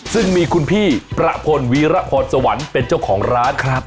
ซึ่งมีคุณพี่ประพลวีรพรสวรรค์เป็นเจ้าของร้านครับ